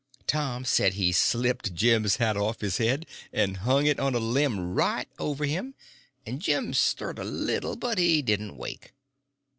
Tom said he slipped Jim's hat off of his head and hung it on a limb right over him, and Jim stirred a little, but he didn't wake.